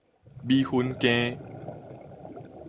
米粉羹